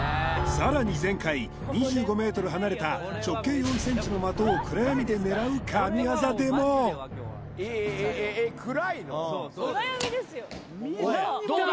さらに前回２５ｍ離れた直径４ｃｍの的を暗闇で狙う神業でもどうだ！？